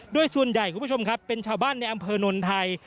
โดยส่วนใหญ่คุณผู้ชมครับเป็นชาวบ้านในอำเภอนนไทย